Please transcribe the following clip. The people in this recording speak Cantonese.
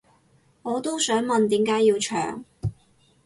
我都想問點解要搶